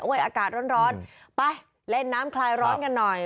อากาศร้อนไปเล่นน้ำคลายร้อนกันหน่อย